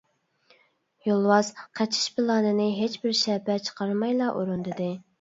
يولۋاس قېچىش پىلانىنى ھېچ بىر شەپە چىقارمايلا ئورۇندىدى.